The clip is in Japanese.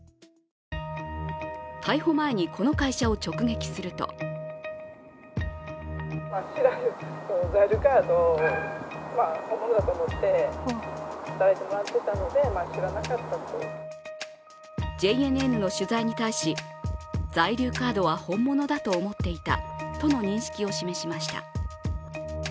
逮捕前に、この会社を直撃するとＪＮＮの取材に対し、在留カードは本物だと思っていたとの認識を示しました。